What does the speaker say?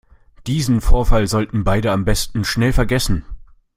Diesen Vorfall sollten beide am besten schnell vergessen.